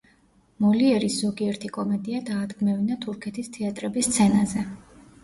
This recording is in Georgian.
მოლიერის ზოგიერთი კომედია დაადგმევინა თურქეთის თეატრების სცენაზე.